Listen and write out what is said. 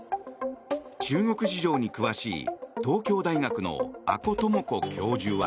中国事情に詳しい東京大学の阿古智子教授は。